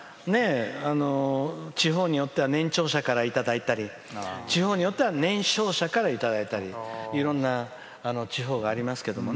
地方によっては年長者からいただいたり地方によっては年少者からいただいたりいろんな地方がありますけどもね。